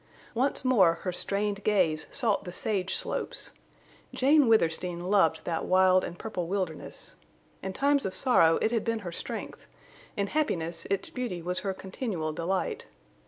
Once more her strained gaze sought the sage slopes. Jane Withersteen loved that wild and purple wilderness. In times of sorrow it had been her strength, in happiness its beauty was her continual delight.